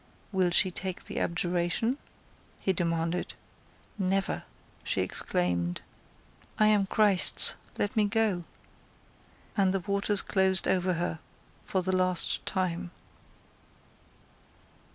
"Will she take the abjuration?" he demanded. "Never!" she exclaimed. "I am Christ's: let me go!" And the waters closed over her for the last time.